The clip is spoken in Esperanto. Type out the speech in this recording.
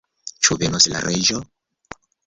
Ĉu venos la reĝo?